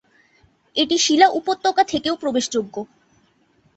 এটি শিলা উপত্যকা থেকেও প্রবেশযোগ্য।